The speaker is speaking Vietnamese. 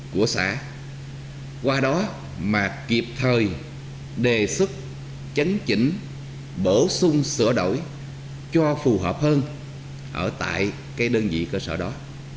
của xã qua đó mà kịp thời đề xuất chấn chỉnh bổ sung sửa đổi cho phù hợp hơn ở tại cái đơn vị cơ sở đó